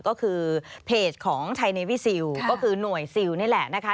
ก็คือเพจของไทยในวิซิลก็คือหน่วยซิลนี่แหละนะคะ